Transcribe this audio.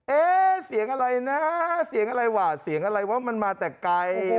เอ๊ะเสียงอะไรนะเสียงอะไรวะเสียงอะไรวะมันมาแต่ไกล